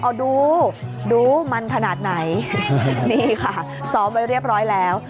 เอาดูดูมันขนาดไหนนี่ค่ะซ้อมไว้เรียบร้อยแล้ว